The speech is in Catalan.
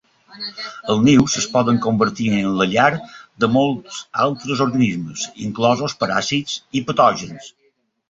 Els nius es poden convertir en la llar de molts altres organismes, inclosos paràsits i patògens.